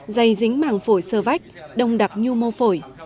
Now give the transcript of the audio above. dày dính màng phổi sơ vách đông đặc nhu mô phổi